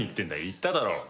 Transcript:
行っただろ。